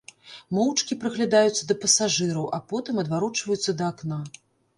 Моўчкі прыглядаюцца да пасажыраў, а потым адварочваюцца да акна.